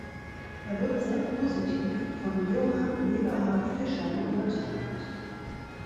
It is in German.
Er wurde sehr positiv von Johann Eberhard Fischer beurteilt.